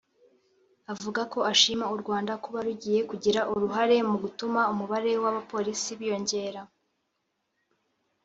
Avuga ko ashima u Rwanda kuba rugiye kugira uruhare mu gutuma umubare w’abo bapolisi biyongera